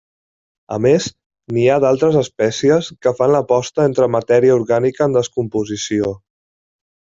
A més, n'hi ha d'altres espècies que fan la posta entre matèria orgànica en descomposició.